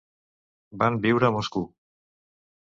Van viure a Moscou.